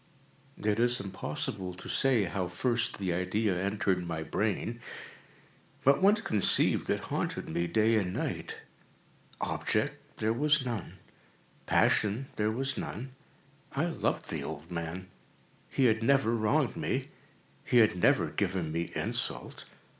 It is impossible to say how first the idea entered my brain; but once conceived, it haunted me day and night. Object there was none. Passion there was none. I loved the old man. He had never wronged me. He had never given me insult.